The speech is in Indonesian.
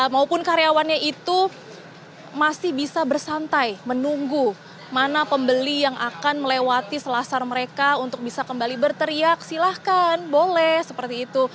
maupun karyawannya itu masih bisa bersantai menunggu mana pembeli yang akan melewati selasar mereka untuk bisa kembali berteriak silahkan boleh seperti itu